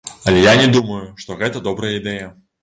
Але я не думаю, што гэта добрая ідэя.